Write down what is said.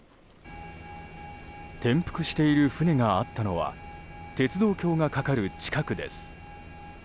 転覆している船があったのは鉄道橋が架かる近くです。